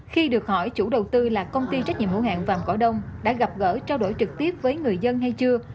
khi được hỏi chủ đầu tư là công ty trách nhiệm hữu hạng vàng cỏ đông đã gặp gỡ trao đổi trực tiếp với người dân hay chưa